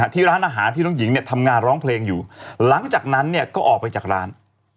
ที่ร้านอาหารที่น้องหญิงเนี่ยทำงานร้องเพลงอยู่หลังจากนั้นเนี่ยก็ออกไปจากร้าน